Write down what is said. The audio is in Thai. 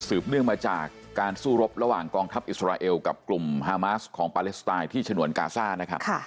เนื่องมาจากการสู้รบระหว่างกองทัพอิสราเอลกับกลุ่มฮามาสของปาเลสไตน์ที่ฉนวนกาซ่านะครับ